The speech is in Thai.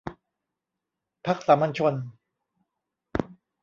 พรรคสามัญชน